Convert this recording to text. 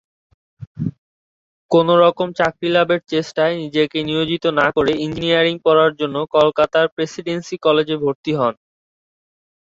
কোন রকম চাকরি লাভের চেষ্টায় নিজেকে নিয়োজিত না করে ইঞ্জিনিয়ারিং পড়ার জন্য কলকাতার প্রেসিডেন্সি কলেজে ভর্তি হন।